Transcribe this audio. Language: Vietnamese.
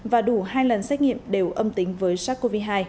và đủ hai lần xét nghiệm đều âm tính với sars cov hai